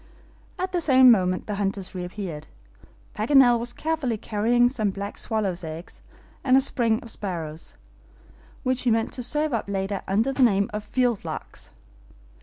At the same moment the hunters reappeared. Paganel was carefully carrying some black swallows' eggs, and a string of sparrows, which he meant to serve up later under the name of field larks.